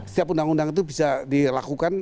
setiap undang undang itu bisa dilakukan